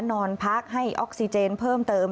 นอนพักให้ออกซิเจนเพิ่มเติม